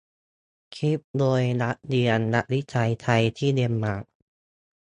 คลิปโดยนักเรียนนักวิจัยไทยที่เดนมาร์ก